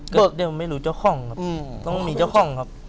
ก็ไม่รู้เจ้าของครับต้องมีเจ้าของครับ